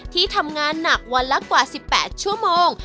ที่ทำงานหนักวันละกว่า๑๘ชั่วโมง